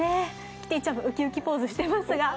キティちゃんもウキウキポーズしてます。